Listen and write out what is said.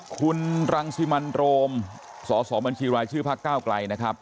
คุณรังสิมันโรมสสบัญชีรายชื่อพักก้าวไกลนะครับ